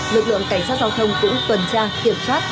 lực lượng cảnh sát giao thông cũng tuần tra kiểm soát